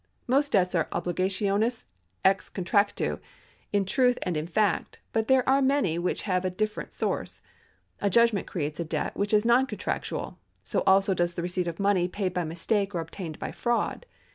Most debts are obligatiaiies ex contractu in truth and in fact, but there are many which have a different source, A judgment creates a debt which is non contractual ; so also does the receipt of money paid by mistake or obtained by fraud.